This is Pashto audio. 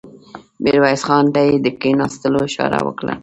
ميرويس خان ته يې د کېناستلو اشاره وکړه.